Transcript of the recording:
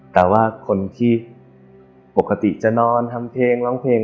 แต่ว่าคนที่ปกติจะนอนทำเพลงร้องเพลง